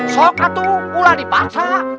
sokatu sudah dibaksa